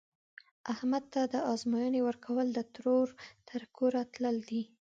احمد ته د ازموینې ورکول، د ترور تر کوره تلل دي.